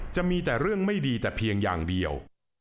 จะมีแต่เรื่องไม่ดีแต่เพียงอย่างเดียว